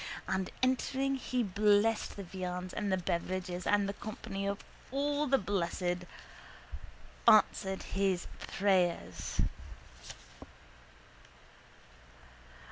And entering he blessed the viands and the beverages and the company of all the blessed answered his prayers.